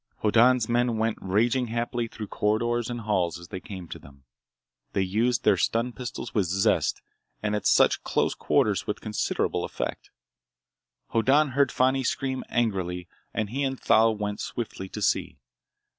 Hoddan's men went raging happily through corridors and halls as they came to them. They used their stun pistols with zest and at such close quarters with considerable effect. Hoddan heard Fani scream angrily and he and Thal went swiftly to see.